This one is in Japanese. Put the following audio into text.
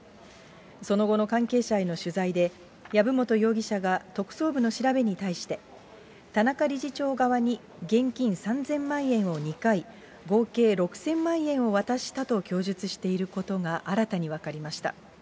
その後の関係者への取材で、籔本容疑者が特捜部の調べに対して、田中理事長側に現金３０００万円を２回、合計６０００万円を渡したと供述していることが新たに分かりました。